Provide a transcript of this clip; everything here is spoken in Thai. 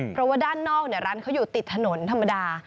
เพราะว่าด้านนอกร้านเขาอยู่ติดถนนธรรมดา